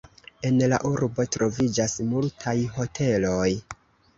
En la urbo troviĝas multaj hoteloj.